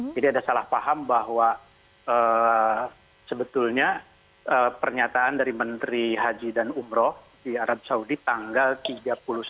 jadi ada salah paham bahwa sebetulnya pernyataan dari menteri haji dan umroh di arab saudi tanggal tiga puluh satu maret kemarin